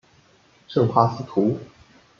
圣帕斯图。